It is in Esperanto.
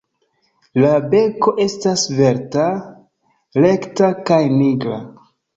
La beko estas svelta, rekta kaj nigra.